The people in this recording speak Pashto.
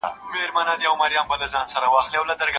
چي پر زړه یې د مرګ ستني څرخېدلې